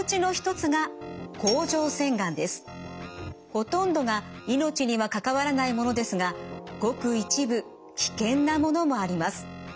ほとんどが命には関わらないものですがごく一部危険なものもあります。